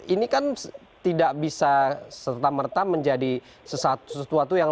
ini kan tidak bisa serta merta menjadi sesuatu yang